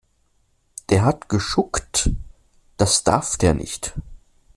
Der hat geschuckt, das darf der nicht.